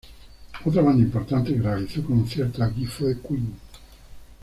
Otra banda importante que realizó conciertos aquí fue Queen.